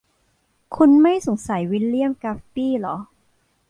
คุณไม่สงสัยวิลเลี่ยม กัปปี้หรอ ?